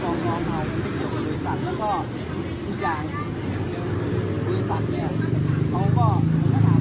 ตอนนี้กำหนังไปคุยของผู้สาวว่ามีคนละตบ